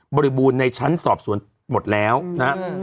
บริบูรณ์ในชั้นสอบสวนหมดแล้วนะครับ